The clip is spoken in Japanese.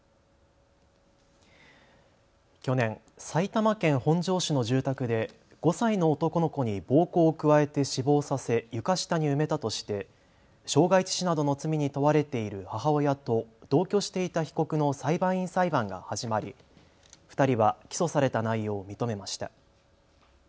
去年、埼玉県本庄市の住宅で５歳の男の子に暴行を加えて死亡させ床下に埋めたとして傷害致死などの罪に問われている母親と同居していた被告の裁判員裁判が始まり２人は起訴された内容を認めました。